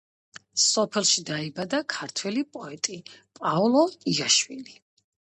სოფელში დაიბადა ქართველი პოეტი პაოლო იაშვილი.